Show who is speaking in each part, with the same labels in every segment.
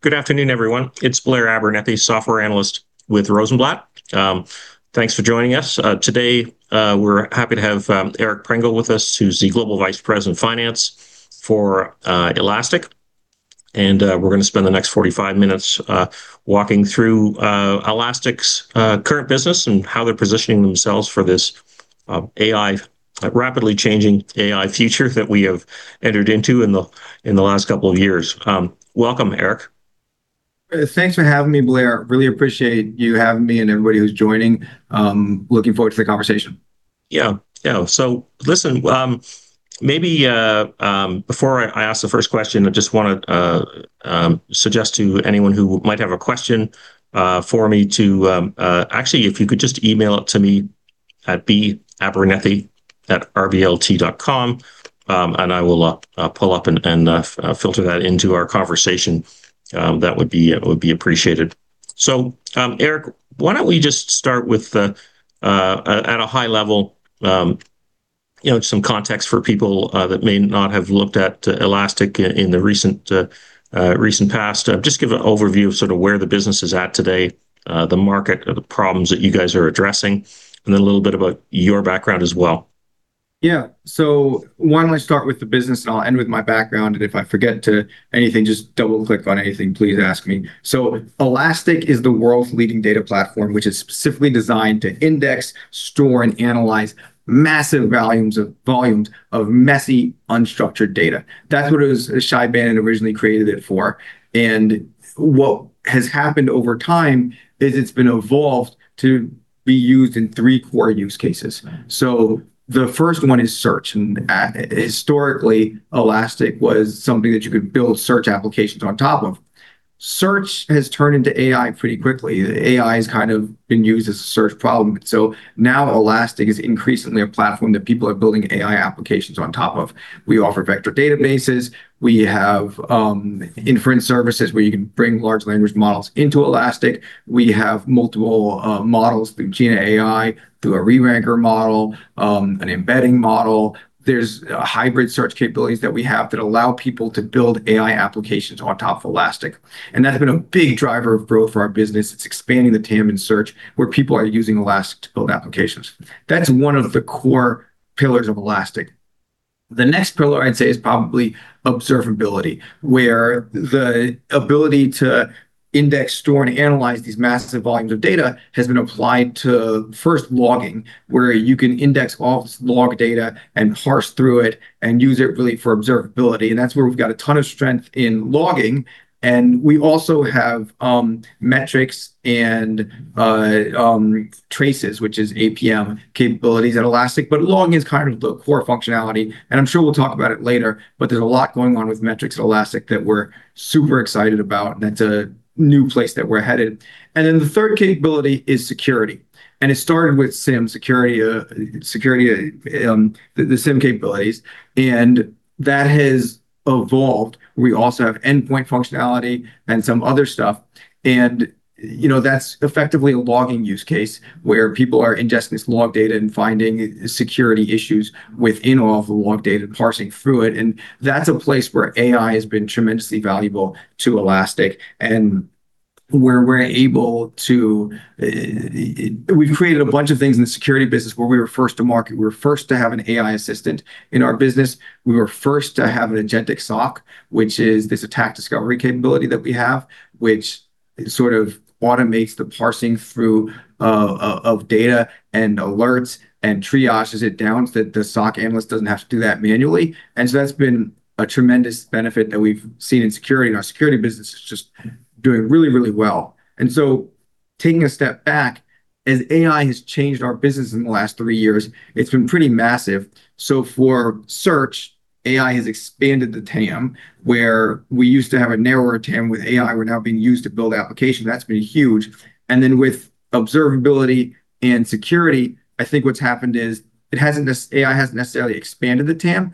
Speaker 1: Good afternoon, everyone. It's Blair Abernethy, Software Analyst with Rosenblatt. Thanks for joining us. Today, we're happy to have Eric Prengel with us, who's the Global Vice President of Finance for Elastic. We're going to spend the next 45 minutes walking through Elastic's current business and how they're positioning themselves for this rapidly changing AI future that we have entered into in the last couple of years. Welcome, Eric.
Speaker 2: Thanks for having me, Blair. Really appreciate you having me and everybody who's joining. Looking forward to the conversation.
Speaker 1: Listen, maybe before I ask the first question, I just want to suggest to anyone who might have a question for me. Actually, if you could just email it to me at babernethy@rblt.com, and I will pull up and filter that into our conversation. That would be appreciated. Eric, why don't we just start with at a high level, some context for people that may not have looked at Elastic in the recent past. Just give an overview of sort of where the business is at today, the market, the problems that you guys are addressing, and then a little bit about your background as well.
Speaker 2: Why don't I start with the business, and I'll end with my background, and if I forget anything, just double-click on anything, please ask me. Elastic is the world's leading data platform, which is specifically designed to index, store, and analyze massive volumes of messy, unstructured data. That's what Shay Banon originally created it for. What has happened over time is it's been evolved to be used in three core use cases. The first one is search, and historically, Elastic was something that you could build search applications on top of. Search has turned into AI pretty quickly. The AI has kind of been used as a search problem. Now Elastic is increasingly a platform that people are building AI applications on top of. We offer vector databases. We have inference services where you can bring large language models into Elastic. We have multiple models through GenAI, through a re-ranker model, an embedding model. There's Hybrid Search capabilities that we have that allow people to build AI applications on top of Elastic, and that has been a big driver of growth for our business. It's expanding the TAM and search where people are using Elastic to build applications. That's one of the core pillars of Elastic. The next pillar I'd say is probably Observability, where the ability to index, store, and analyze these massive volumes of data has been applied to first logging, where you can index off log data and parse through it and use it really for Observability. That's where we've got a ton of strength in logging, and we also have metrics and traces, which is APM capabilities at Elastic. Logging is kind of the core functionality, and I'm sure we'll talk about it later. There's a lot going on with metrics at Elastic that we're super excited about, and that's a new place that we're headed. The third capability is security. It started with SIEM security, the SIEM capabilities, and that has evolved. We also have endpoint functionality and some other stuff, and that's effectively a logging use case where people are ingesting this log data and finding security issues within all the log data and parsing through it. That's a place where AI has been tremendously valuable to Elastic. We've created a bunch of things in the security business where we were first to market. We were first to have an AI Assistant in our business. We were first to have an agentic SOC, which is this Attack Discovery capability that we have, which sort of automates the parsing through of data and alerts, and triages it down so that the SOC analyst doesn't have to do that manually. That's been a tremendous benefit that we've seen in security, and our security business is just doing really well. Taking a step back, as AI has changed our business in the last three years, it's been pretty massive. For search, AI has expanded the TAM, where we used to have a narrower TAM. With AI, we're now being used to build applications. That's been huge. With Observability and Security, I think what's happened is AI hasn't necessarily expanded the TAM,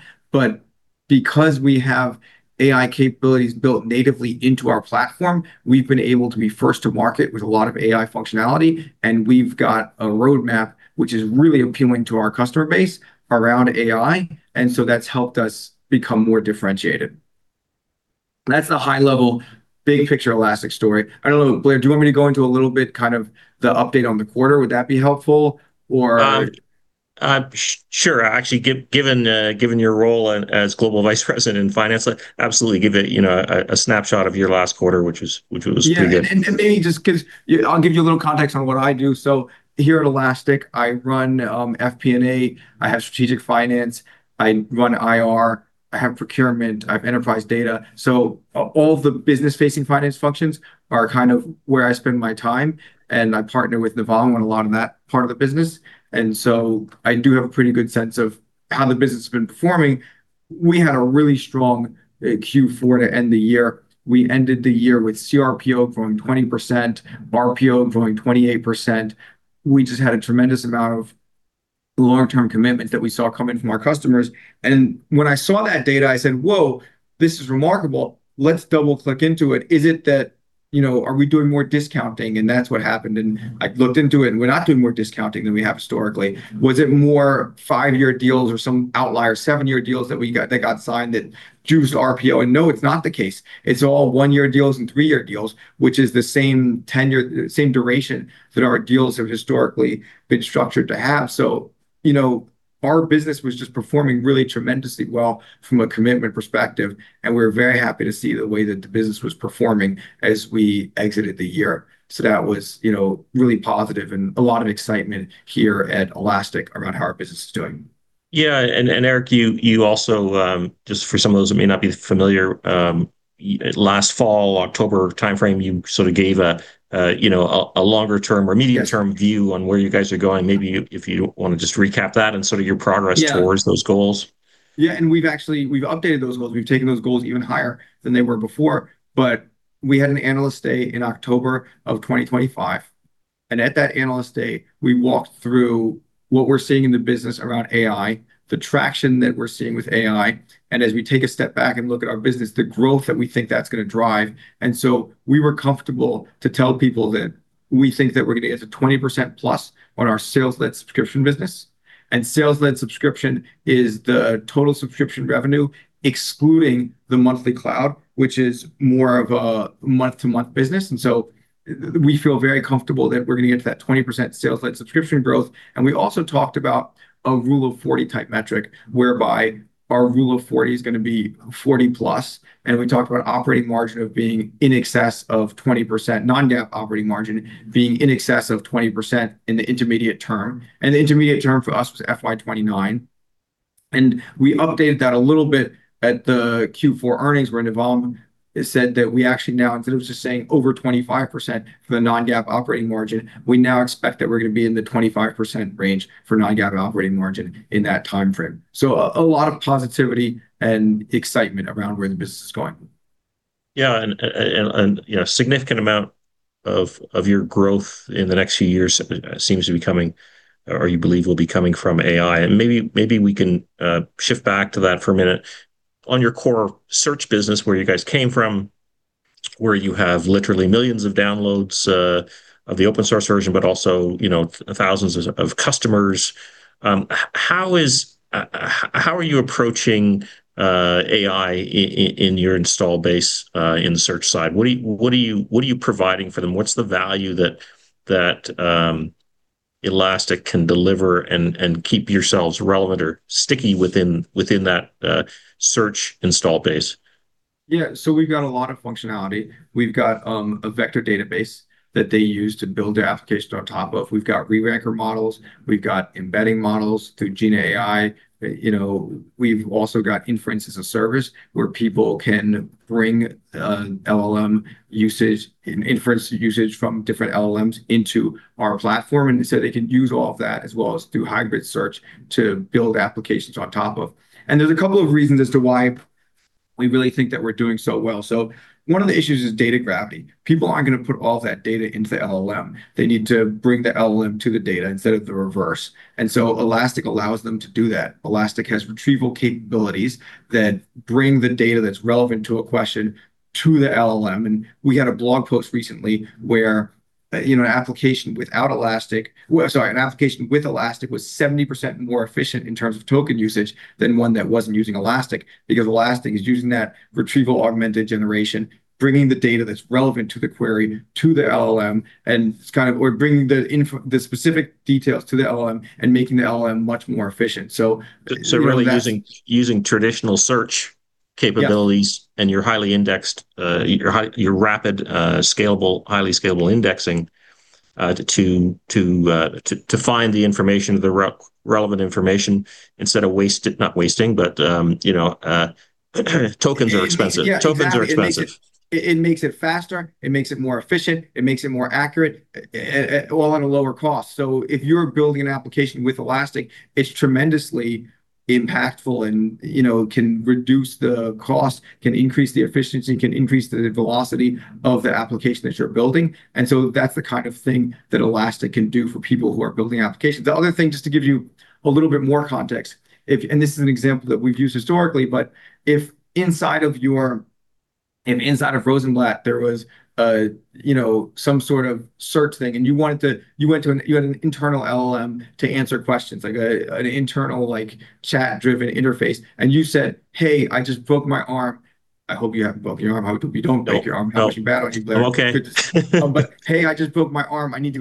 Speaker 2: because we have AI capabilities built natively into our platform, we've been able to be first to market with a lot of AI functionality, and we've got a roadmap which is really appealing to our customer base around AI. That's helped us become more differentiated. That's the high-level, big-picture Elastic story. I don't know, Blair, do you want me to go into a little bit kind of the update on the quarter? Would that be helpful?
Speaker 1: Sure. Actually, given your role as Global Vice President in Finance, absolutely give a snapshot of your last quarter, which was pretty good.
Speaker 2: Yeah, maybe I'll give you a little context on what I do. Here at Elastic, I run FP&A. I have strategic finance. I run IR. I have procurement. I have enterprise data. All the business-facing finance functions are kind of where I spend my time, and I partner with Navam on a lot of that part of the business. I do have a pretty good sense of how the business has been performing. We had a really strong Q4 to end the year. We ended the year with CRPO growing 20%, RPO growing 28%. We just had a tremendous amount of long-term commitment that we saw coming from our customers. When I saw that data, I said, "Whoa, this is remarkable. Let's double-click into it." Are we doing more discounting? That's what happened. I looked into it, and we're not doing more discounting than we have historically. Was it more five-year deals or some outlier seven-year deals that got signed that juiced RPO? No, it's not the case. It's all one-year deals and three-year deals, which is the same duration that our deals have historically been structured to have. Our business was just performing really tremendously well from a commitment perspective, and we're very happy to see the way that the business was performing as we exited the year. That was really positive and a lot of excitement here at Elastic around how our business is doing.
Speaker 1: Eric, just for some of those who may not be familiar, last fall, October timeframe, you gave a longer-term or medium-term view on where you guys are going. Maybe if you want to just recap that and your progress towards those goals?
Speaker 2: Yeah. We've updated those goals. We've taken those goals even higher than they were before. We had an Analyst Day in October 2025. At that Analyst Day, we walked through what we're seeing in the business around AI, the traction that we're seeing with AI, and as we take a step back and look at our business, the growth that we think that's going to drive. We were comfortable to tell people that we think that we're going to get to 20%+ on our sales-led subscription business. Sales-led subscription is the total subscription revenue, excluding the monthly cloud, which is more of a month-to-month business. We feel very comfortable that we're going to get to that 20% sales-led subscription growth. We also talked about a Rule of 40 type metric, whereby our Rule of 40 is going to be 40+, and we talked about operating margin of being in excess of 20%, non-GAAP operating margin being in excess of 20% in the intermediate term. The intermediate term for us was FY2029. We updated that a little bit at the Q4 earnings, where Navam said that we actually now, instead of just saying over 25% for the non-GAAP operating margin, we now expect that we're going to be in the 25% range for non-GAAP operating margin in that timeframe. A lot of positivity and excitement around where the business is going.
Speaker 1: A significant amount of your growth in the next few years seems to be coming, or you believe will be coming from AI. Maybe we can shift back to that for a minute. On your core search business, where you guys came from, where you have literally millions of downloads of the open source version, but also thousands of customers, how are you approaching AI in your install base in the search side? What are you providing for them? What's the value that Elastic can deliver and keep yourselves relevant or sticky within that search install base?
Speaker 2: We've got a lot of functionality. We've got a vector database that they use to build their application on top of. We've got re-ranker models. We've got embedding models through GenAI. We've also got inference as a service where people can bring an LLM usage, an inference usage from different LLMs into our platform, and they can use all of that as well as through hybrid search to build applications on top of. There's a couple of reasons as to why we really think that we're doing so well. One of the issues is data gravity. People aren't going to put all that data into the LLM. They need to bring the LLM to the data instead of the reverse. Elastic allows them to do that. Elastic has retrieval capabilities that bring the data that's relevant to a question to the LLM, and we had a blog post recently where an application with Elastic was 70% more efficient in terms of token usage than one that wasn't using Elastic because Elastic is using that retrieval augmented generation, bringing the data that's relevant to the query to the LLM, or bringing the specific details to the LLM and making the LLM much more efficient.
Speaker 1: Really using traditional search capabilities and your rapid, highly scalable indexing, to find the relevant information instead of waste it. Not wasting, but tokens are expensive.
Speaker 2: It makes it faster, it makes it more efficient, it makes it more accurate, all at a lower cost. If you're building an application with Elastic, it's tremendously impactful and can reduce the cost, can increase the efficiency, can increase the velocity of the application that you're building. That's the kind of thing that Elastic can do for people who are building applications. The other thing, just to give you a little bit more context, and this is an example that we've used historically, but if inside of Rosenblatt, there was some sort of search thing, and you had an internal LLM to answer questions, like an internal chat-driven interface, and you said, "Hey, I just broke my arm. I need to go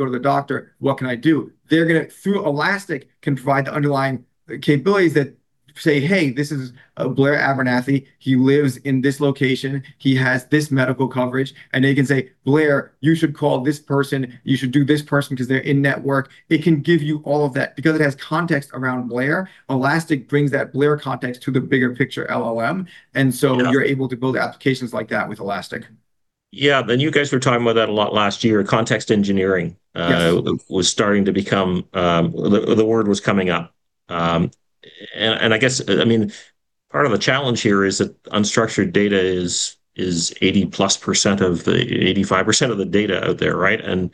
Speaker 2: to the doctor. What can I do?" Through Elastic, can provide the underlying capabilities that say, "Hey, this is Blair Abernethy. He lives in this location. He has this medical coverage." They can say, "Blair, you should call this person. You should do this person because they're in network." It can give you all of that because it has context around Blair. Elastic brings that Blair context to the bigger picture LLM. You're able to build applications like that with Elastic.
Speaker 1: You guys were talking about that a lot last year. Context engineering. The word was coming up. I guess part of the challenge here is that unstructured data is 80%+, 85% of the data out there, right? A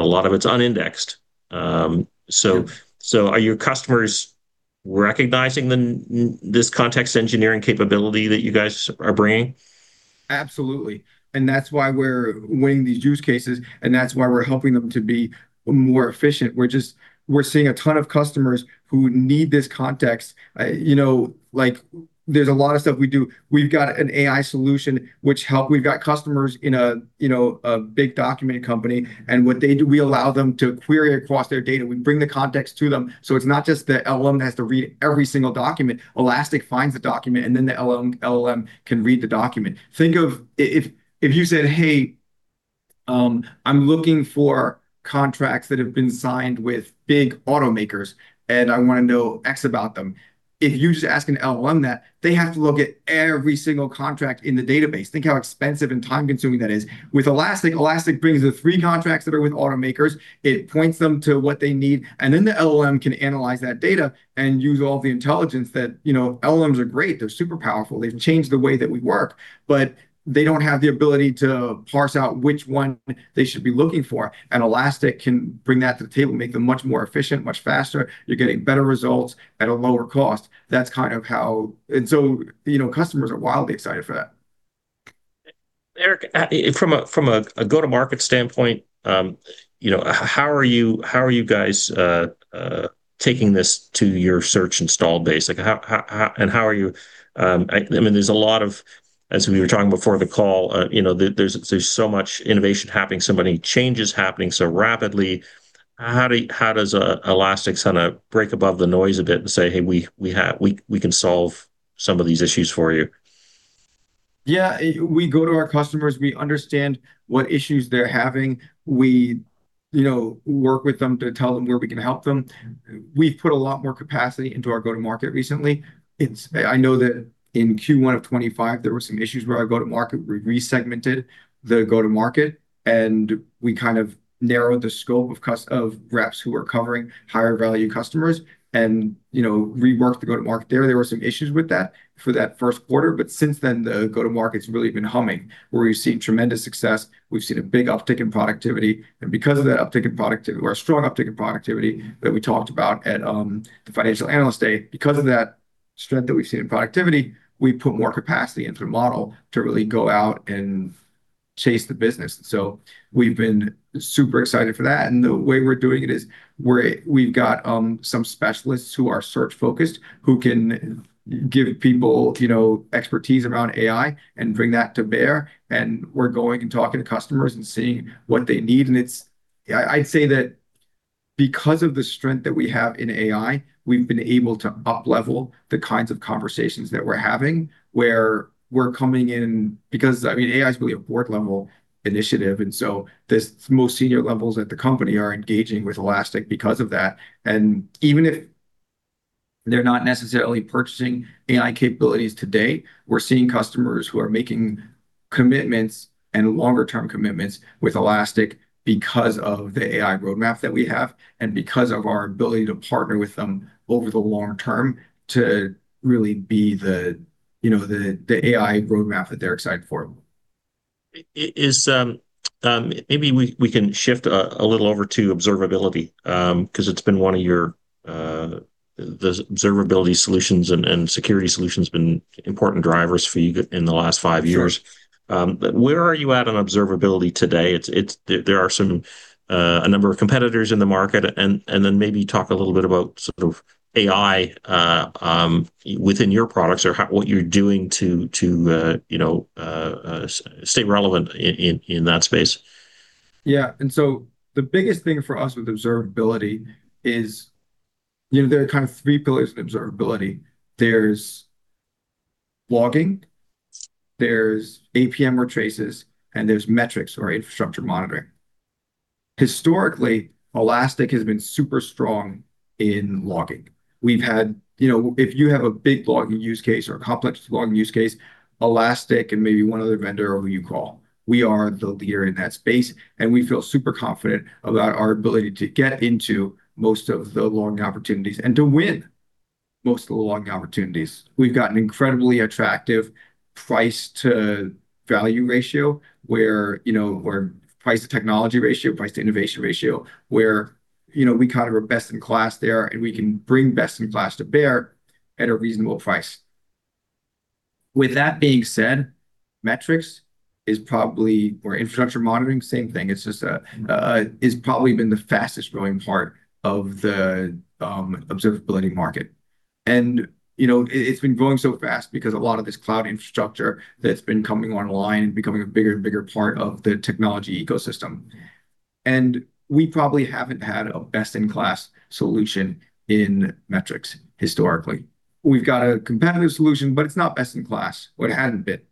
Speaker 1: lot of it's unindexed. Are your customers recognizing this context engineering capability that you guys are bringing?
Speaker 2: Absolutely. That's why we're winning these use cases, and that's why we're helping them to be more efficient. We're seeing a ton of customers who need this context. There's a lot of stuff we do. We've got an AI solution which helps. We've got customers in a big document company, and what they do, we allow them to query across their data. We bring the context to them, so it's not just the LLM that has to read every single document. Elastic finds the document, and then the LLM can read the document. Think of if you said, "Hey, I'm looking for contracts that have been signed with big automakers, and I want to know X about them." If you just ask an LLM that, they have to look at every single contract in the database. Think how expensive and time-consuming that is. With Elastic brings the three contracts that are with automakers, it points them to what they need, and then the LLM can analyze that data and use all the intelligence that LLMs are great. They're super powerful. They've changed the way that we work, but they don't have the ability to parse out which one they should be looking for. Elastic can bring that to the table, make them much more efficient, much faster. You're getting better results at a lower cost. That's kind of how. Customers are wildly excited for that.
Speaker 1: Eric, from a go-to-market standpoint, how are you guys taking this to your search installed base? How are you? There's a lot of, as we were talking before the call, there's so much innovation happening, so many changes happening so rapidly. How does Elastic kind of break above the noise a bit and say, "Hey, we can solve some of these issues for you"?
Speaker 2: We go to our customers, we understand what issues they're having. We work with them to tell them where we can help them. We've put a lot more capacity into our go-to-market recently. I know that in Q1 of 2025, there were some issues with our go-to-market. We re-segmented the go-to-market, we kind of narrowed the scope of reps who were covering higher value customers and reworked the go-to-market there. There were some issues with that for that first quarter. Since then, the go-to-market's really been humming. We're seeing tremendous success. We've seen a big uptick in productivity. Because of that uptick in productivity, or a strong uptick in productivity that we talked about at the Financial Analyst Day, because of that strength that we've seen in productivity, we put more capacity into the model to really go out and chase the business. We've been super excited for that. The way we're doing it is we've got some specialists who are search-focused who can give people expertise around AI and bring that to bear. We're going and talking to customers and seeing what they need. I'd say that because of the strength that we have in AI, we've been able to up-level the kinds of conversations that we're having, where we're coming in. Because AI's really a board-level initiative, the most senior levels at the company are engaging with Elastic because of that. Even if they're not necessarily purchasing AI capabilities today, we're seeing customers who are making commitments, and longer-term commitments, with Elastic because of the AI roadmap that we have and because of our ability to partner with them over the long term to really be the AI roadmap that they're excited for.
Speaker 1: Maybe we can shift a little over to observability, because the observability solutions and security solutions been important drivers for you in the last five years. Where are you at on observability today? There are a number of competitors in the market. Then maybe talk a little bit about sort of AI within your products or what you're doing to stay relevant in that space.
Speaker 2: The biggest thing for us with observability is there are kind of three pillars to observability. There's logging, there's APM or traces, and there's metrics or infrastructure monitoring. Historically, Elastic has been super strong in logging. If you have a big logging use case or a complex logging use case, Elastic and maybe one other vendor are who you call. We are the leader in that space, and we feel super confident about our ability to get into most of the logging opportunities and to win most of the logging opportunities. We've got an incredibly attractive price to value ratio where, or price to technology ratio, price to innovation ratio, where we kind of are best in class there, and we can bring best in class to bear at a reasonable price. With that being said, infrastructure monitoring, same thing. It's just probably been the fastest growing part of the observability market. It's been growing so fast because a lot of this cloud infrastructure that's been coming online and becoming a bigger and bigger part of the technology ecosystem. We probably haven't had a best-in-class solution in metrics historically. We've got a competitive solution, but it's not best in class, or it hadn't been.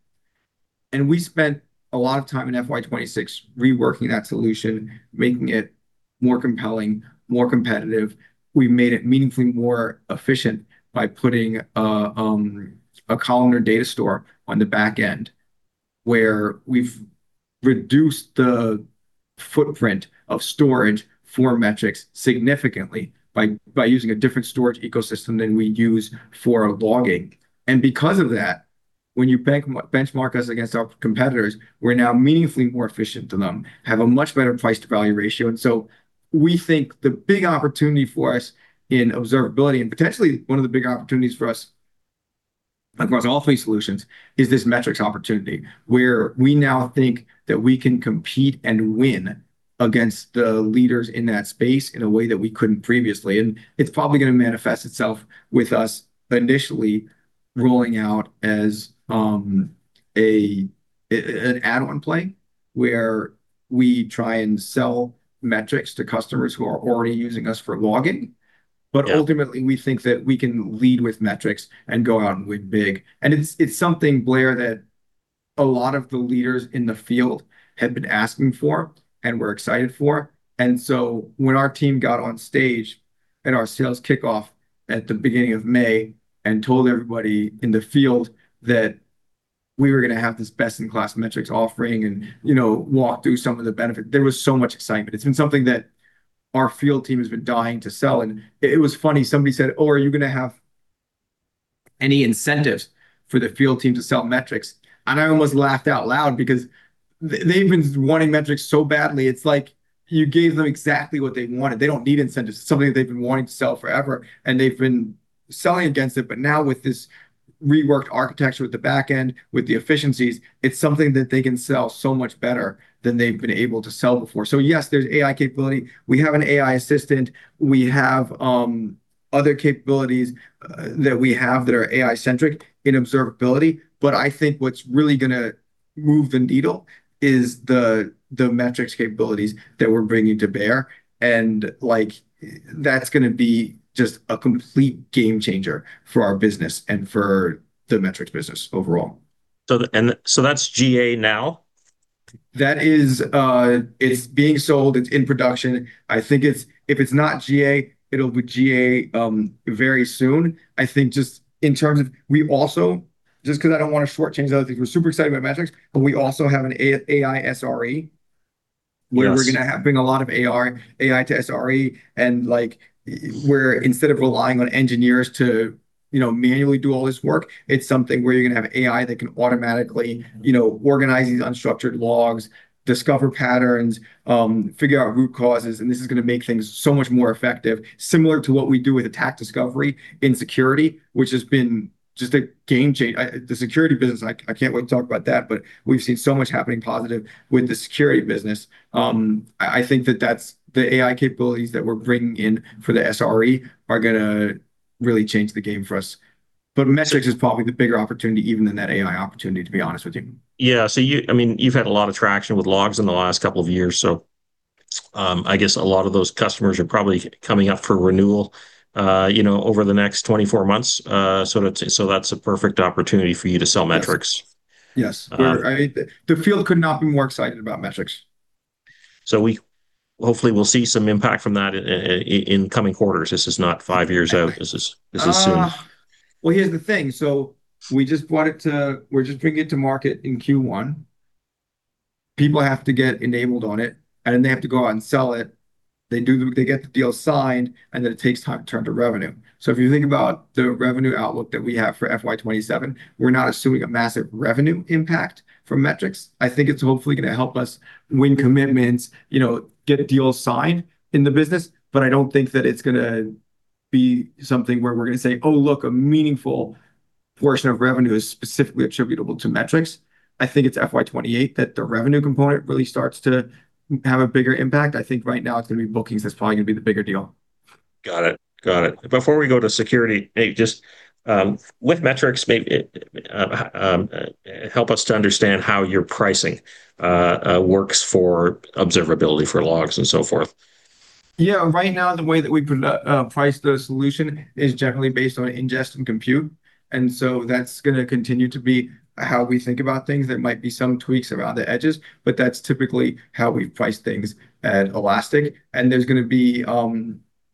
Speaker 2: We spent a lot of time in FY2026 reworking that solution, making it more compelling, more competitive. We made it meaningfully more efficient by putting a columnar data store on the back end, where we've reduced the footprint of storage for metrics significantly by using a different storage ecosystem than we use for our logging. Because of that, when you benchmark us against our competitors, we're now meaningfully more efficient than them, have a much better price to value ratio. We think the big opportunity for us in observability, and potentially one of the big opportunities for us across all three solutions, is this metrics opportunity, where we now think that we can compete and win against the leaders in that space in a way that we couldn't previously. It's probably going to manifest itself with us initially rolling out as an add-on play, where we try and sell metrics to customers who are already using us for logging. Ultimately, we think that we can lead with metrics and go out and win big. It's something, Blair, that a lot of the leaders in the field had been asking for and were excited for. When our team got on stage at our sales kickoff at the beginning of May and told everybody in the field that we were going to have this best-in-class metrics offering and walk through some of the benefits, there was so much excitement. It's been something that our field team has been dying to sell. It was funny, somebody said, "Oh, are you going to have any incentives for the field team to sell metrics?" I almost laughed out loud because they've been wanting metrics so badly. It's like you gave them exactly what they wanted. They don't need incentives. It's something that they've been wanting to sell forever, and they've been selling against it. Now with this reworked architecture, with the back end, with the efficiencies, it's something that they can sell so much better than they've been able to sell before. Yes, there's AI capability. We have an AI Assistant, we have other capabilities that we have that are AI-centric in Observability. I think what's really going to move the needle is the metrics capabilities that we're bringing to bear, and that's going to be just a complete game changer for our business and for the metrics business overall.
Speaker 1: That's GA now?
Speaker 2: It's being sold. It's in production. I think if it's not GA, it'll be GA very soon. I think just because I don't want to shortchange other things. We're super excited about metrics, but we also have an AI SRE. We're going to bring a lot of AI to SRE, and instead of relying on engineers to manually do all this work, it's something where you're going to have AI that can automatically organize these unstructured logs, discover patterns, figure out root causes, and this is going to make things so much more effective, similar to what we do with Attack Discovery in Security, which has been just a game changer. The security business, I can't wait to talk about that, we've seen so much happening positive with the security business. I think that the AI capabilities that we're bringing in for the SRE are going to really change the game for us. Metrics is probably the bigger opportunity even than that AI opportunity, to be honest with you.
Speaker 1: You've had a lot of traction with logs in the last couple of years. I guess a lot of those customers are probably coming up for renewal over the next 24 months. That's a perfect opportunity for you to sell metrics.
Speaker 2: The field could not be more excited about metrics.
Speaker 1: Hopefully we'll see some impact from that in coming quarters. This is not five years out. This is soon.
Speaker 2: Here's the thing. We're just bringing it to market in Q1. People have to get enabled on it, they have to go out and sell it. They get the deal signed, it takes time to turn to revenue. If you think about the revenue outlook that we have for FY2027, we're not assuming a massive revenue impact from metrics. I think it's hopefully going to help us win commitments, get a deal signed in the business. I don't think that it's going to be something where we're going to say, "Oh look, a meaningful portion of revenue is specifically attributable to metrics." I think it's FY2028 that the revenue component really starts to have a bigger impact. I think right now it's going to be bookings that's probably going to be the bigger deal.
Speaker 1: Got it. Before we go to security, just with metrics, maybe help us to understand how your pricing works for Observability for logs and so forth?
Speaker 2: Yeah. Right now the way that we price the solution is generally based on ingest and compute, that's going to continue to be how we think about things. There might be some tweaks around the edges, that's typically how we price things at Elastic. There's going to be,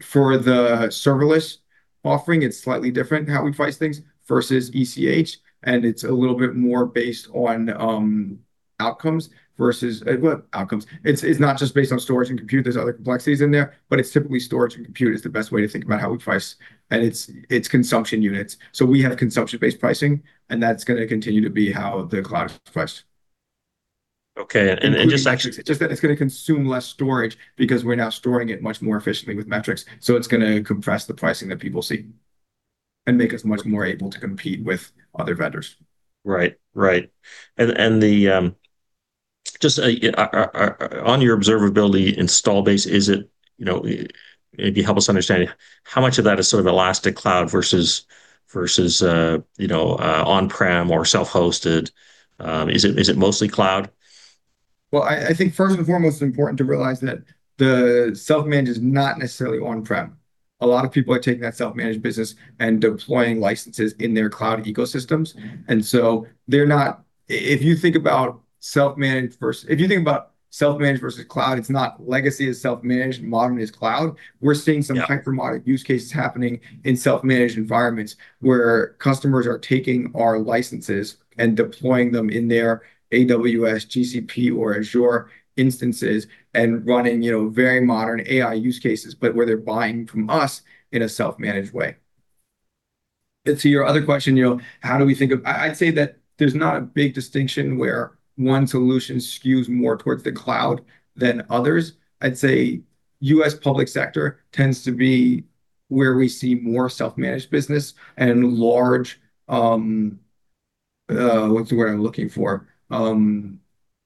Speaker 2: for the Serverless offering, it's slightly different how we price things versus ECE, it's a little bit more based on outcomes versus Well, outcomes. It's not just based on storage and compute. There's other complexities in there, it's typically storage and compute is the best way to think about how we price, it's consumption units. We have consumption-based pricing, that's going to continue to be how the cloud is priced. Just that it's going to consume less storage because we're now storing it much more efficiently with metrics. It's going to compress the pricing that people see and make us much more able to compete with other vendors.
Speaker 1: Right. Just on your Observability install base, maybe help us understand how much of that is sort of Elastic cloud versus on-prem or self-hosted. Is it mostly cloud?
Speaker 2: I think first and foremost, it's important to realize that the self-managed is not necessarily on-prem. A lot of people are taking that self-managed business and deploying licenses in their cloud ecosystems. If you think about self-managed versus cloud, it's not legacy is self-managed, modern is cloud. We're seeing some hyper-modern use cases happening in self-managed environments where customers are taking our licenses and deploying them in their AWS, GCP, or Azure instances and running very modern AI use cases, but where they're buying from us in a self-managed way. To your other question, how do we think of I'd say that there's not a big distinction where one solution skews more towards the cloud than others. I'd say U.S. public sector tends to be where we see more self-managed business and large, what's the word I'm looking for?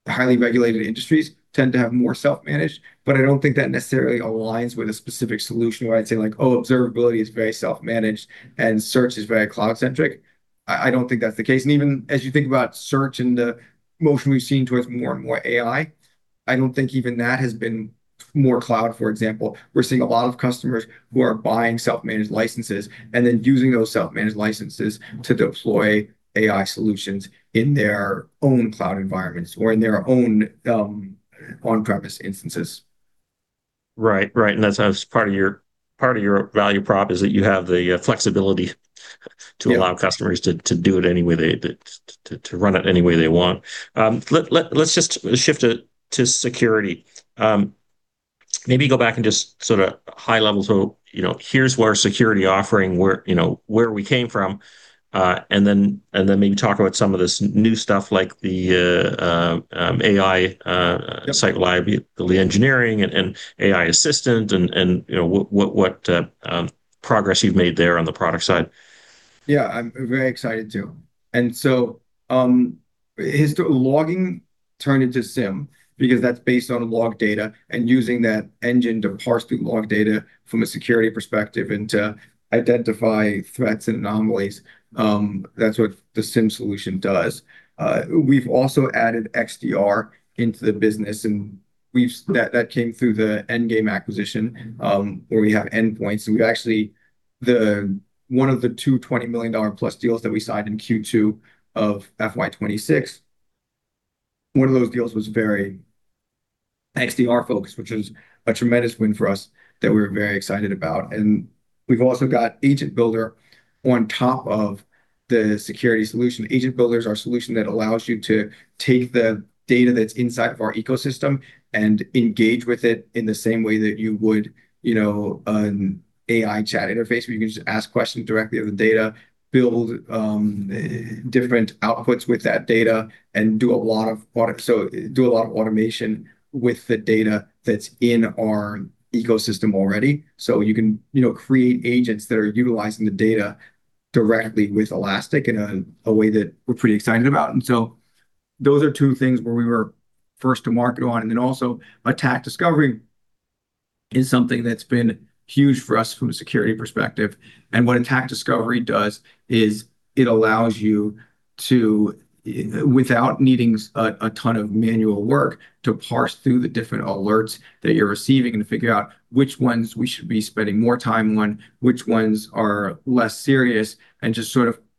Speaker 2: Highly regulated industries tend to have more self-managed, I don't think that necessarily aligns with a specific solution where I'd say, "Oh, Observability is very self-managed and search is very cloud-centric." I don't think that's the case. Even as you think about search and the motion we've seen towards more and more AI, I don't think even that has been more cloud, for example. We're seeing a lot of customers who are buying self-managed licenses and using those self-managed licenses to deploy AI solutions in their own cloud environments or in their own on-premise instances.
Speaker 1: Right. That's part of your value prop, is that you have the flexibility to allow customers to do it any way, to run it any way they want. Let's just shift it to security. Maybe go back and just high level, here's our security offering, where we came from, and then maybe talk about some of this new stuff like the AI site reliability engineering and AI Assistant and what progress you've made there on the product side.
Speaker 2: I'm very excited too. Logging turned into SIEM because that's based on log data and using that engine to parse through log data from a security perspective and to identify threats and anomalies. That's what the SIEM solution does. We've also added XDR into the business, that came through the Endgame acquisition, where we have endpoints. One of the two $20 million+ deals that we signed in Q2 of FY2026, one of those deals was very XDR-focused, which was a tremendous win for us that we're very excited about. We've also got Agent Builder on top of the security solution. Agent Builder is our solution that allows you to take the data that's inside of our ecosystem and engage with it in the same way that you would an AI chat interface, where you can just ask questions directly of the data, build different outputs with that data, and do a lot of automation with the data that's in our ecosystem already. You can create agents that are utilizing the data directly with Elastic in a way that we're pretty excited about. Those are two things where we were first to market on, also Attack Discovery is something that's been huge for us from a security perspective. What Attack Discovery does is it allows you to, without needing a ton of manual work, to parse through the different alerts that you're receiving and figure out which ones we should be spending more time on, which ones are less serious, and just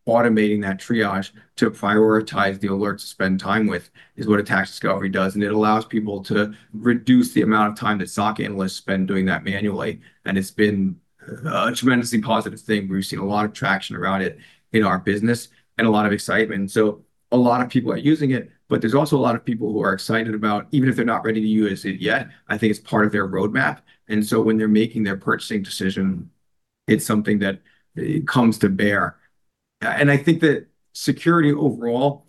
Speaker 2: automating that triage to prioritize the alerts to spend time with, is what Attack Discovery does. It allows people to reduce the amount of time that SOC analysts spend doing that manually, it's been a tremendously positive thing. We've seen a lot of traction around it in our business and a lot of excitement. A lot of people are using it, but there's also a lot of people who are excited about, even if they're not ready to use it yet, I think it's part of their roadmap, when they're making their purchasing decision, it's something that comes to bear. I think that security overall,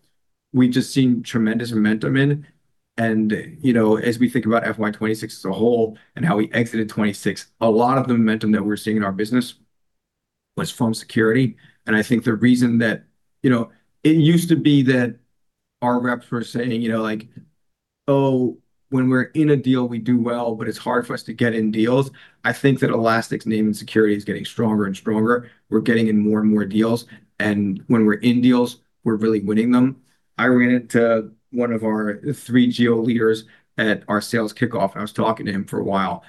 Speaker 2: we've just seen tremendous momentum in. As we think about FY2026 as a whole, how we exited 2026, a lot of the momentum that we're seeing in our business was from security. I think the reason that, it used to be that our reps were saying, "Oh, when we're in a deal, we do well, but it's hard for us to get in deals." I think that Elastic's name in security is getting stronger and stronger. We're getting in more and more deals, when we're in deals, we're really winning them. I ran into one of our three geo leaders at our sales kickoff, I was talking to him for a while,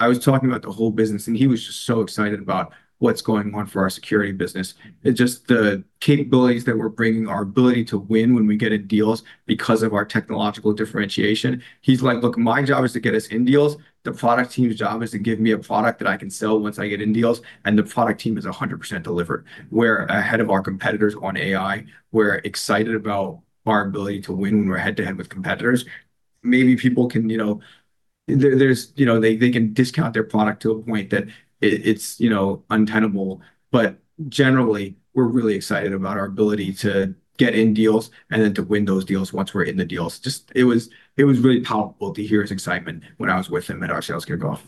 Speaker 2: I was talking about the whole business, he was just so excited about what's going on for our security business. It's just the capabilities that we're bringing, our ability to win when we get in deals because of our technological differentiation. He's like, "Look, my job is to get us in deals. The product team's job is to give me a product that I can sell once I get in deals," the product team has 100% delivered. We're ahead of our competitors on AI. We're excited about our ability to win when we're head-to-head with competitors. Maybe people can discount their product to a point that it's untenable, generally, we're really excited about our ability to get in deals then to win those deals once we're in the deals. Just it was really palpable to hear his excitement when I was with him at our sales kickoff.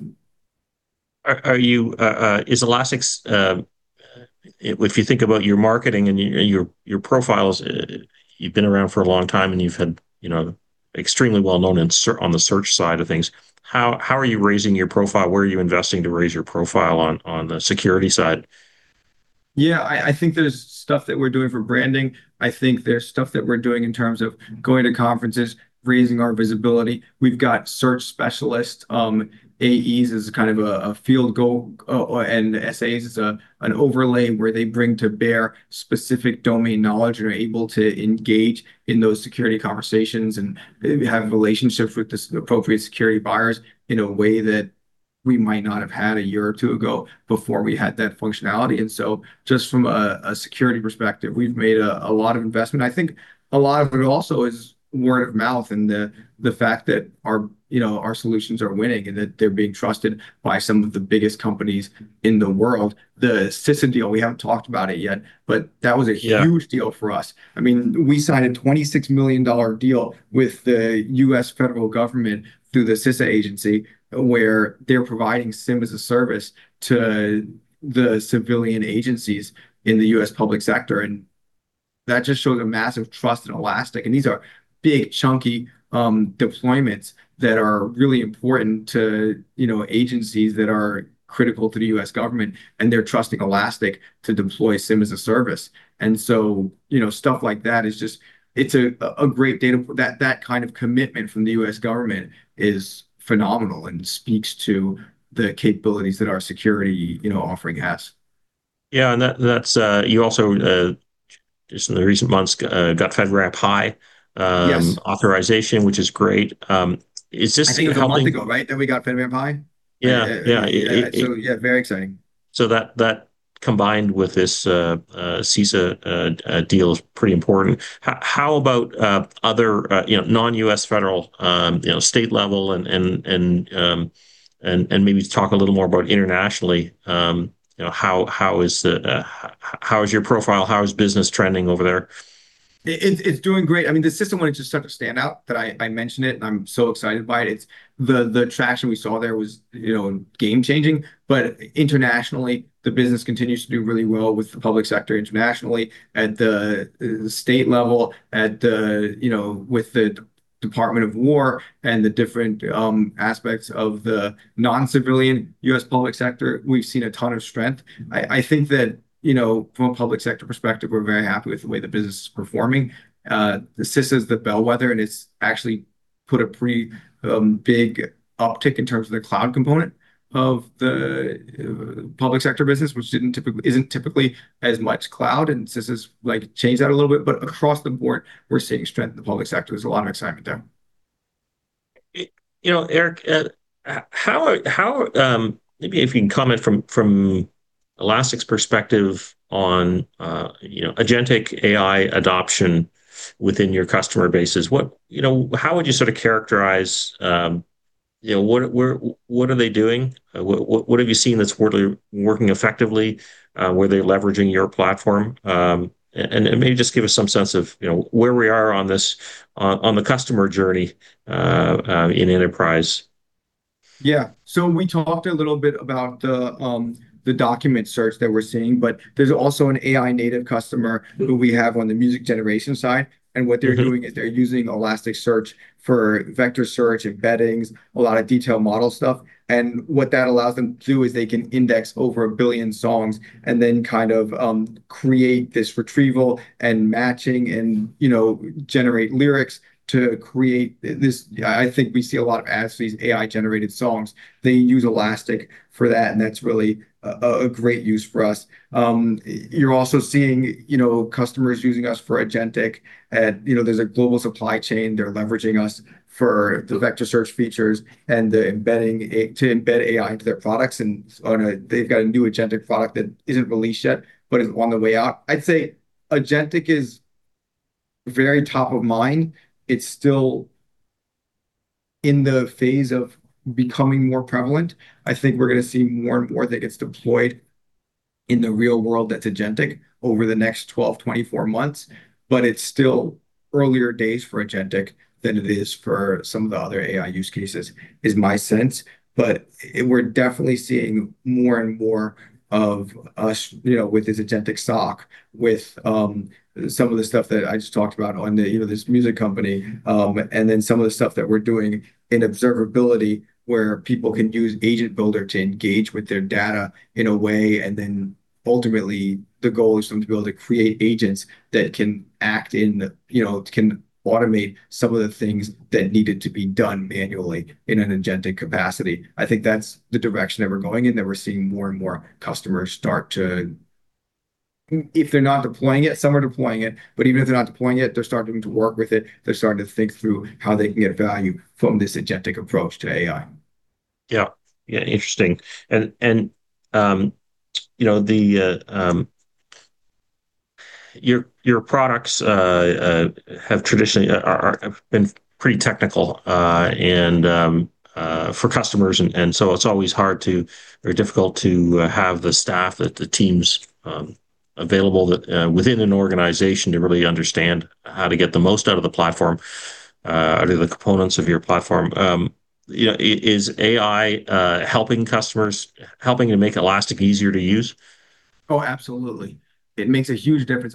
Speaker 1: If you think about your marketing, your profiles, you've been around for a long time, you've had extremely well-known on the search side of things. How are you raising your profile? Where are you investing to raise your profile on the security side?
Speaker 2: I think there's stuff that we're doing for branding. I think there's stuff that we're doing in terms of going to conferences, raising our visibility. We've got search specialists, AEs as a field goal, and SAs as an overlay, where they bring to bear specific domain knowledge and are able to engage in those security conversations and have relationships with the appropriate security buyers in a way that we might not have had a year or two ago before we had that functionality. Just from a security perspective, we've made a lot of investment. I think a lot of it also is word of mouth and the fact that our solutions are winning and that they're being trusted by some of the biggest companies in the world. The CISA deal, we haven't talked about it yet, but that was a huge deal for us. We signed a $26 million deal with the U.S. federal government through the CISA agency, where they're providing SIEM as a service to the civilian agencies in the U.S. public sector, that just shows a massive trust in Elastic. These are big, chunky deployments that are really important to agencies that are critical to the U.S. government, and they're trusting Elastic to deploy SIEM as a service. Stuff like that kind of commitment from the U.S. government is phenomenal and speaks to the capabilities that our security offering has.
Speaker 1: You also, just in the recent months, got FedRAMP High authorization, which is great. Is this helping-
Speaker 2: I think a month ago, right, that we got FedRAMP High?
Speaker 1: Yeah.
Speaker 2: Yeah, very exciting.
Speaker 1: That, combined with this CISA deal, is pretty important. How about other non-U.S. federal state level and maybe talk a little more about internationally. How is your profile, how is business trending over there?
Speaker 2: It's doing great. The CISA one is just such a standout that I mention it and I'm so excited by it. The traction we saw there was game changing. Internationally, the business continues to do really well with the public sector internationally at the state level, with the Department of War, and the different aspects of the non-civilian U.S. public sector. We've seen a ton of strength. I think that from a public sector perspective, we're very happy with the way the business is performing. The CISA is the bellwether, and it's actually put a pretty big uptick in terms of the cloud component of the public sector business, which isn't typically as much cloud, and CISA's changed that a little bit. Across the board, we're seeing strength in the public sector. There's a lot of excitement there.
Speaker 1: Eric, maybe if you can comment from Elastic's perspective on agentic AI adoption within your customer bases. How would you characterize, what are they doing? What have you seen that's working effectively? Where they're leveraging your platform? Maybe just give us some sense of where we are on the customer journey in enterprise.
Speaker 2: We talked a little bit about the document search that we're seeing, but there's also an AI native customer who we have on the music generation side. What they're doing is they're using Elasticsearch for vector search embeddings, a lot of detailed model stuff. What that allows them to do is they can index over 1 billion songs and then kind of create this retrieval and matching and generate lyrics to create this, I think we see a lot of as these AI-generated songs. They use Elastic for that. That's really a great use for us. You're also seeing customers using us for agentic at, there's a global supply chain. They're leveraging us for the vector search features and to embed AI into their products. They've got a new agentic product that isn't released yet but is on the way out. I'd say agentic is very top of mind. It's still in the phase of becoming more prevalent. I think we're going to see more and more that gets deployed in the real world that's agentic over the next 12, 24 months. It's still earlier days for agentic than it is for some of the other AI use cases, is my sense. We're definitely seeing more and more of us with this agentic SOC, with some of the stuff that I just talked about on this music company, then some of the stuff that we're doing in observability, where people can use Agent Builder to engage with their data in a way, then ultimately the goal is for them to be able to create agents that can automate some of the things that needed to be done manually in an agentic capacity. I think that's the direction that we're going in, that we're seeing more and more customers start to, if they're not deploying it, some are deploying it, even if they're not deploying it, they're starting to work with it. They're starting to think through how they can get value from this agentic approach to AI.
Speaker 1: Yeah. Interesting. Your products have traditionally have been pretty technical and for customers, and so it's always hard to or difficult to have the staff, the teams available within an organization to really understand how to get the most out of the platform, out of the components of your platform. Is AI helping customers, helping to make Elastic easier to use?
Speaker 2: Oh, absolutely. It makes a huge difference.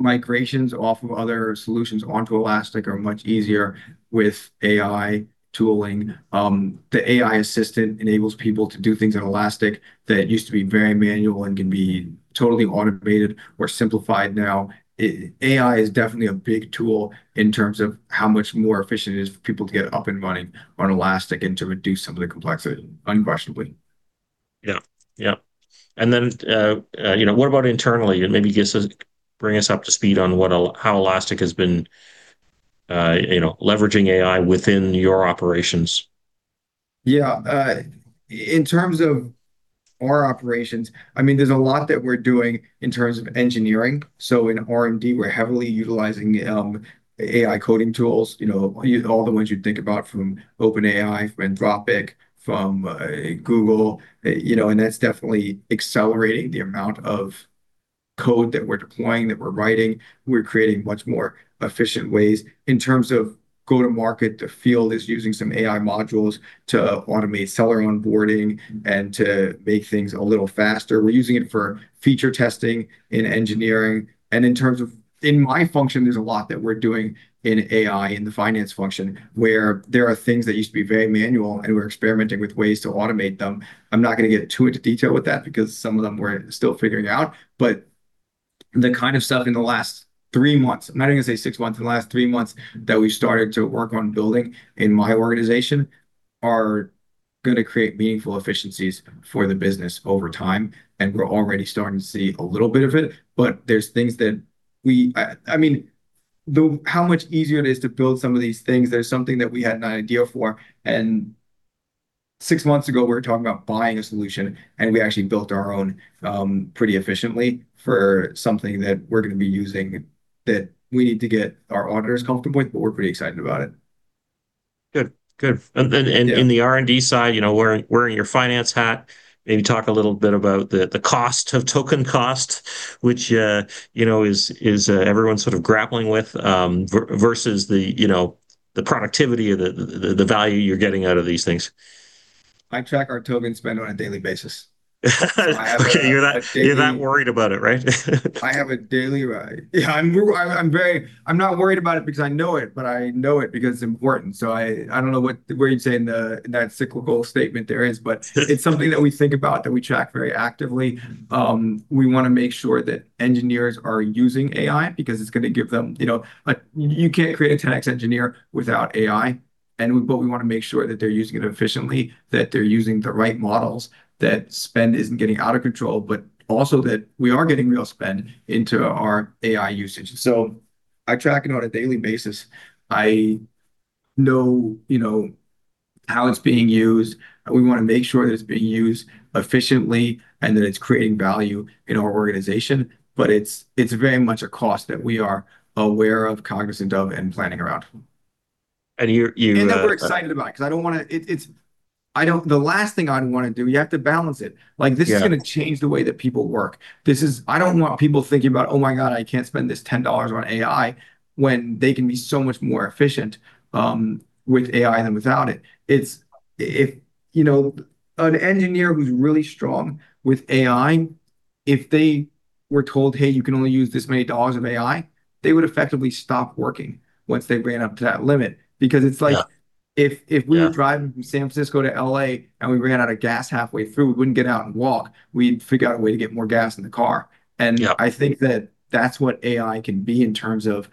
Speaker 2: Migrations off of other solutions onto Elastic are much easier with AI tooling. The AI Assistant enables people to do things on Elastic that used to be very manual and can be totally automated or simplified now. AI is definitely a big tool in terms of how much more efficient it is for people to get up and running on Elastic and to reduce some of the complexity, unquestionably.
Speaker 1: Yeah. What about internally? Maybe just bring us up to speed on how Elastic has been leveraging AI within your operations.
Speaker 2: In terms of our operations, there's a lot that we're doing in terms of engineering. In R&D, we're heavily utilizing AI coding tools, all the ones you'd think about from OpenAI, from Anthropic, from Google, and that's definitely accelerating the amount of code that we're deploying, that we're writing. We're creating much more efficient ways. In terms of go to market, the field is using some AI modules to automate seller onboarding and to make things a little faster. We're using it for feature testing in engineering, and in terms of in my function, there's a lot that we're doing in AI, in the finance function, where there are things that used to be very manual, and we're experimenting with ways to automate them. I'm not going to get too into detail with that because some of them we're still figuring out. The kind of stuff in the last three months, I'm not even going to say six months, in the last three months that we've started to work on building in my organization, are going to create meaningful efficiencies for the business over time, we're already starting to see a little bit of it. How much easier it is to build some of these things, there's something that we had an idea for, six months ago, we were talking about buying a solution, we actually built our own pretty efficiently for something that we're going to be using that we need to get our auditors comfortable with. We're pretty excited about it.
Speaker 1: Good. In the R&D side, wearing your finance hat, maybe talk a little bit about the cost of token cost, which is everyone sort of grappling with, versus the productivity or the value you're getting out of these things.
Speaker 2: I track our token spend on a daily basis.
Speaker 1: Okay. You're not worried about it, right?
Speaker 2: I have a daily. Yeah, I'm not worried about it because I know it, but I know it because it's important. I don't know what you'd say in that cyclical statement there is, but it's something that we think about, that we track very actively. We want to make sure that engineers are using AI because it's going to give them. You can't create a 10x engineer without AI, but we want to make sure that they're using it efficiently, that they're using the right models, that spend isn't getting out of control, but also that we are getting real spend into our AI usage. I track it on a daily basis. I know how it's being used. We want to make sure that it's being used efficiently and that it's creating value in our organization. It's very much a cost that we are aware of, cognizant of, and planning around. That we're excited about because the last thing I'd want to do. You have to balance it. This is going to change the way that people work. I don't want people thinking about, "Oh my God, I can't spend this $10 on AI," when they can be so much more efficient with AI than without it. An engineer who's really strong with AI, if they were told, "Hey, you can only use this many dollars of AI," they would effectively stop working once they ran up to that limit. Because it's like, if we were driving from San Francisco to L.A. and we ran out of gas halfway through, we wouldn't get out and walk. We'd figure out a way to get more gas in the car. I think that that's what AI can be in terms of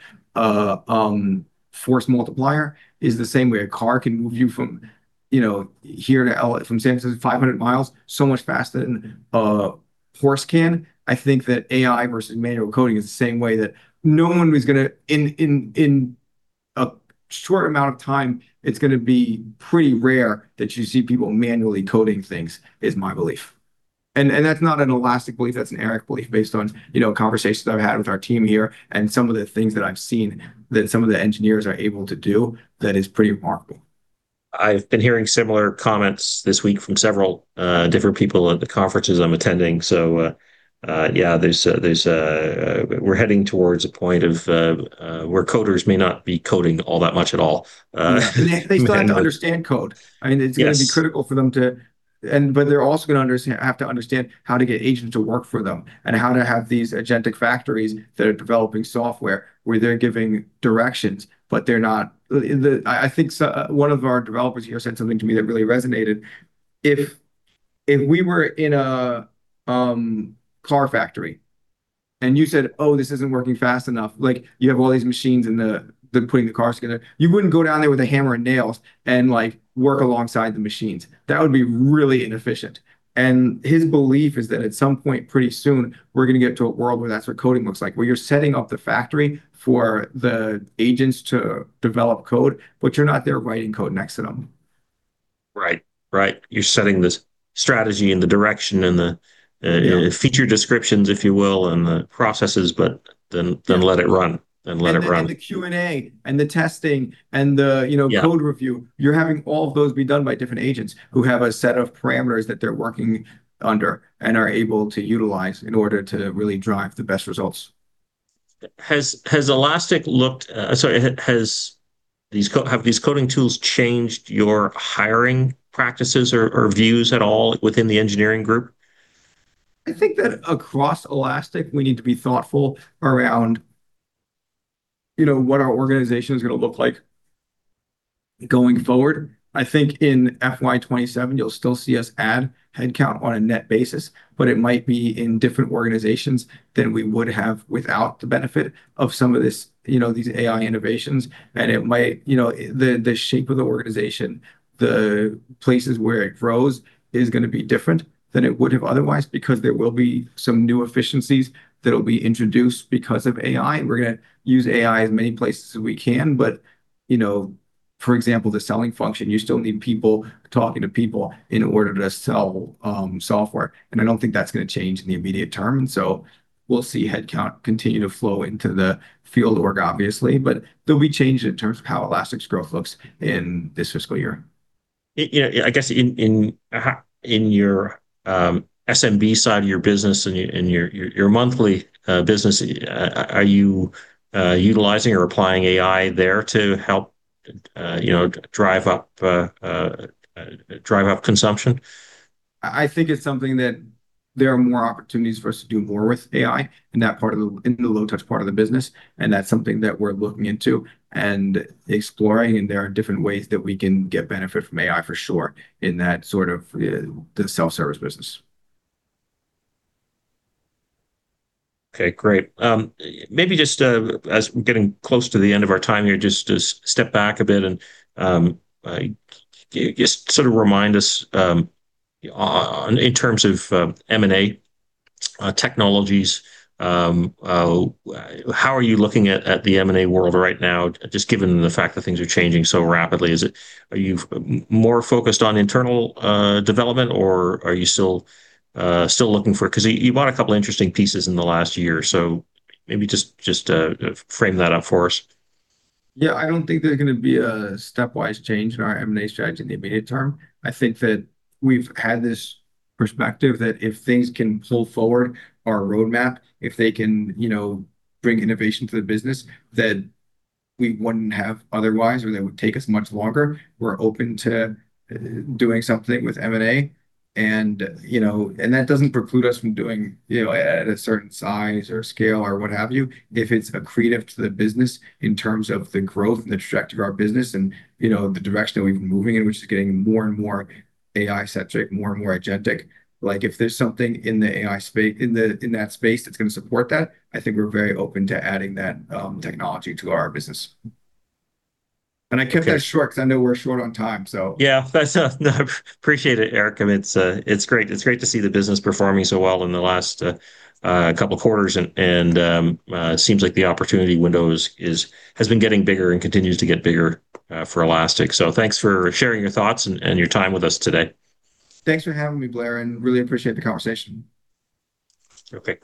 Speaker 2: force multiplier, is the same way a car can move you from here to L.A., from San Francisco, 500 mi, so much faster than a horse can. I think that AI versus manual coding is the same way that no one is going to, in a short amount of time, it's going to be pretty rare that you see people manually coding things, is my belief. That's not an Elastic belief, that's an Eric belief based on conversations that I've had with our team here and some of the things that I've seen that some of the engineers are able to do that is pretty remarkable.
Speaker 1: I've been hearing similar comments this week from several different people at the conferences I'm attending. Yeah, we're heading towards a point where coders may not be coding all that much at all.
Speaker 2: They still have to understand code.
Speaker 1: Yes.
Speaker 2: It's going to be critical for them. They're also going to have to understand how to get agents to work for them and how to have these agentic factories that are developing software, where they're giving directions, but they're not. I think one of our developers here said something to me that really resonated. If we were in a car factory and you said, "Oh, this isn't working fast enough." You have all these machines and they're putting the cars together. You wouldn't go down there with a hammer and nails and work alongside the machines. That would be really inefficient. His belief is that at some point pretty soon, we're going to get to a world where that's what coding looks like, where you're setting up the factory for the agents to develop code, but you're not there writing code next to them.
Speaker 1: Right. You're setting the strategy and the direction and the feature descriptions, if you will, and the processes, but then let it run.
Speaker 2: The Q&A, the testing, and the code review. You're having all of those be done by different agents who have a set of parameters that they're working under and are able to utilize in order to really drive the best results.
Speaker 1: Have these coding tools changed your hiring practices or views at all within the engineering group?
Speaker 2: I think that across Elastic, we need to be thoughtful around what our organization is going to look like going forward. I think in FY2027 you'll still see us add headcount on a net basis, but it might be in different organizations than we would have without the benefit of some of these AI innovations. The shape of the organization, the places where it grows is going to be different than it would have otherwise, because there will be some new efficiencies that'll be introduced because of AI, and we're going to use AI as many places as we can. For example, the selling function, you still need people talking to people in order to sell software, and I don't think that's going to change in the immediate term. we'll see headcount continue to flow into the field org, obviously, but there'll be change in terms of how Elastic's growth looks in this fiscal year.
Speaker 1: I guess in your SMB side of your business and your monthly business, are you utilizing or applying AI there to help drive up consumption?
Speaker 2: I think it's something that there are more opportunities for us to do more with AI in the low-touch part of the business, that's something that we're looking into and exploring, there are different ways that we can get benefit from AI, for sure, in that sort of the self-service business.
Speaker 1: Okay, great. Maybe just as we're getting close to the end of our time here, just step back a bit and just sort of remind us, in terms of M&A technologies, how are you looking at the M&A world right now, just given the fact that things are changing so rapidly? Are you more focused on internal development? Because you bought a couple interesting pieces in the last year. Maybe just frame that up for us.
Speaker 2: I don't think there's going to be a stepwise change in our M&A strategy in the immediate term. I think that we've had this perspective that if things can pull forward our roadmap, if they can bring innovation to the business that we wouldn't have otherwise, or that would take us much longer, we're open to doing something with M&A. That doesn't preclude us from doing at a certain size or scale or what have you. If it's accretive to the business in terms of the growth and the trajectory of our business and the direction that we've been moving in, which is getting more and more AI-centric, more and more agentic. If there's something in that space that's going to support that, I think we're very open to adding that technology to our business. I kept that short because I know we're short on time.
Speaker 1: Appreciate it, Eric. It's great to see the business performing so well in the last couple quarters, and it seems like the opportunity window has been getting bigger and continues to get bigger for Elastic. Thanks for sharing your thoughts and your time with us today.
Speaker 2: Thanks for having me, Blair, really appreciate the conversation.
Speaker 1: Great.